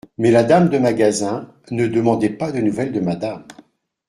Mais la dame de magasin ne demandait pas de nouvelles de madame.